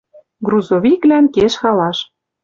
Грузовиклӓн кеш халаш.